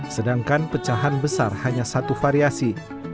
sedangkan pecahan besar hanya satu variasi